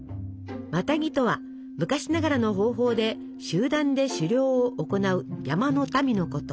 マタギとは昔ながらの方法で集団で狩猟を行う山の民のこと。